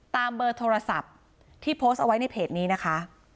เบอร์โทรศัพท์ที่โพสต์เอาไว้ในเพจนี้นะคะ